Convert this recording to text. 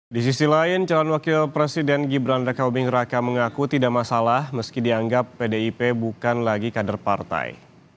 di sisi lain calon wakil presiden gibran raka buming raka mengaku tidak masalah meski dianggap pdip bukan lagi kader partai